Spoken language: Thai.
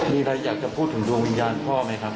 มีอะไรอยากจะพูดถึงดวงวิญญาณพ่อไหมครับ